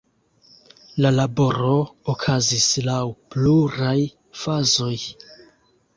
La laboro okazis laŭ pluraj fazoj.